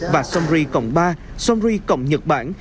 và somri cộng ba somri cộng nhật bản